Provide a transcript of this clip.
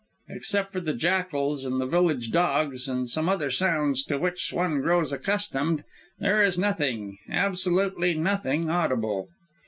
Except for the jackals and the village dogs, and some other sounds to which one grows accustomed, there is nothing absolutely nothing audible.